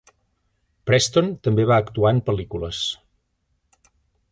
Preston també va actuar en pel·lícules.